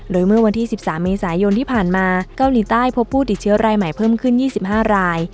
โดยเมื่อวันที่๑๓เมษายนที่ผ่านมาเกาหลีใต้พบผู้ติดเชื้อรายใหม่เพิ่มขึ้น๒๕ราย